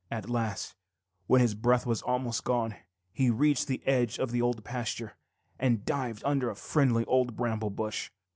] At last, when his breath was almost gone, he reached the edge of the Old Pasture and dived under a friendly old bramble bush.